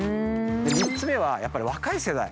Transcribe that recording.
３つ目はやっぱり若い世代。